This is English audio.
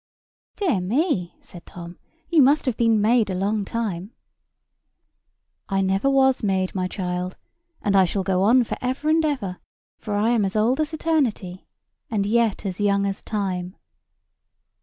"Dear me," said Tom, "you must have been made a long time!" "I never was made, my child; and I shall go for ever and ever; for I am as old as Eternity, and yet as young as Time."